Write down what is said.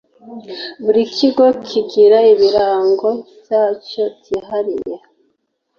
Buri kigo kigira ibirango byacyo byihariye